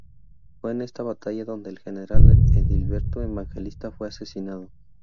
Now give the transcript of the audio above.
Fue en esta batalla donde el general Edilberto Evangelista fue asesinado.